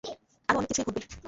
আরো অনেক কিছুই ঘটবে।